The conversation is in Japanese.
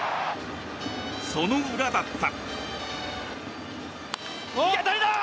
その裏だった。